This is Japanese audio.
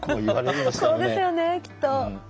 そうですよねきっと。